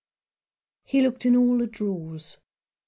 He looked in all the drawers.